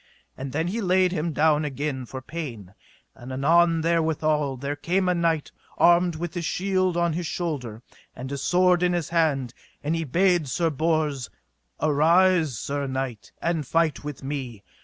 And then he laid him down again for pain; and anon therewithal there came a knight armed with his shield on his shoulder and his sword in his hand, and he bade Sir Bors: Arise, sir knight, and fight with me.